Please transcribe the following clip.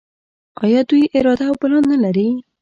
آیا دوی اراده او پلان نلري؟